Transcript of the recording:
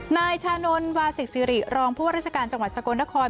นายชานนท์วาศิกสิริรองผู้ว่าราชการจังหวัดสกลนคร